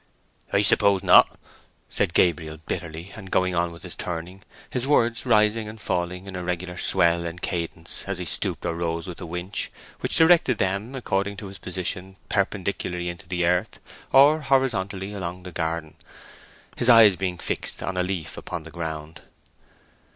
"I suppose not," said Gabriel bitterly, and going on with his turning, his words rising and falling in a regular swell and cadence as he stooped or rose with the winch, which directed them, according to his position, perpendicularly into the earth, or horizontally along the garden, his eyes being fixed on a leaf upon the ground.